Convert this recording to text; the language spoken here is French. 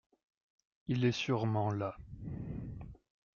Il est sûrement là.